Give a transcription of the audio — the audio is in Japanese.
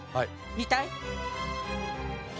見たい。